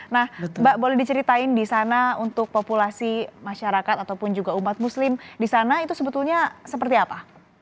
nah mbak boleh diceritain di sana untuk populasi masyarakat ataupun juga umat muslim di sana itu sebetulnya seperti apa